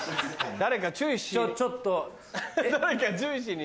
誰か注意しに。